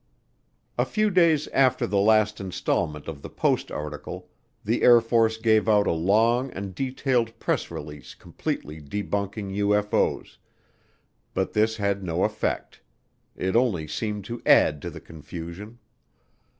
A few days after the last installment of the Post article the Air Force gave out a long and detailed press release completely debunking UFO's, but this had no effect. It only seemed to add to the confusion.